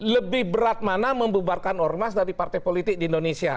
lebih berat mana membubarkan ormas dari partai politik di indonesia